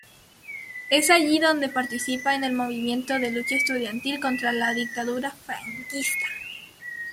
Es allí donde participa en el movimiento de lucha estudiantil contra la dictadura franquista.